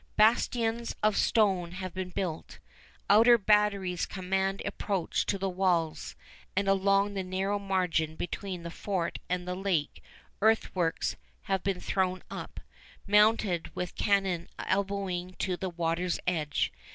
Bastions of stone have been built. Outer batteries command approach to the walls, and along the narrow margin between the fort and the lake earthworks have been thrown up, mounted with cannon elbowing to the water's edge.